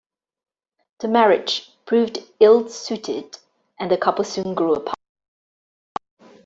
The marriage proved ill-suited and the couple soon grew apart.